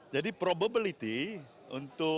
jadi probability untuk